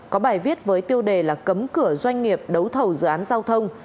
có bài viết với tiêu đề là cấm cửa doanh nghiệp đấu thầu dự án giao thông